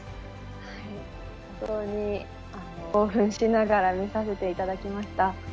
本当に、興奮しながら見させていただきました。